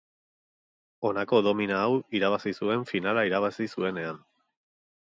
Honako domina hau irabazi zuen finala irabazi zuenean.